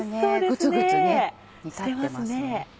グツグツ煮立ってますね。